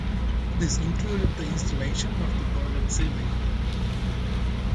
This included the installation of the boarded ceiling.